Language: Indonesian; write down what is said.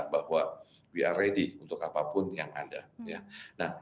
bahwa we are ready untuk apapun yang ada